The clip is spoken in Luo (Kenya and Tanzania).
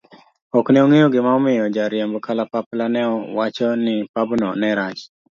okne ong'eyo gima omiyo ja riemb kalapapla ne wacho ni pabno ne rach.